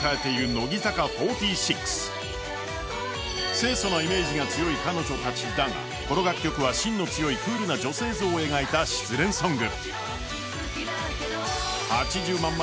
清そなイメージが強い彼女たちだが、この楽曲は芯の強いクールな女性像を描いた失恋ソング。